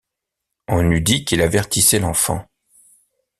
On eût dit qu’il avertissait l’enfant.